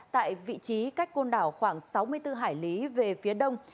tại vị trí cách côn đảo khoảng sáu mươi bốn hải lý về phía đông